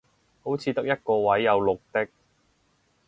好似得一個位有綠的